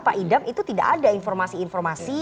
pak idam itu tidak ada informasi informasi